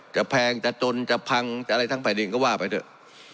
แพงจะจนจะพังจะอะไรทั้งแผ่นดินก็ว่าไปเถอะ